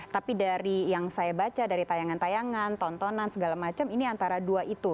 tapi dari yang saya baca dari tayangan tayangan tontonan segala macam ini antara dua itu